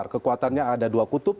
kekuatannya ada dua kutub